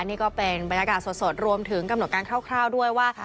นี่ก็เป็นบรรยากาศสดรวมถึงกำหนดการคร่าวด้วยว่า